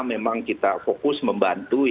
memang kita fokus membantu